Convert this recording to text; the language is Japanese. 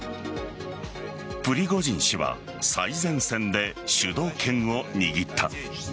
プリゴジン氏は最前線で主導権を握った。